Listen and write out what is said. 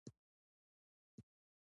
د علم لپاره څه شی اړین دی؟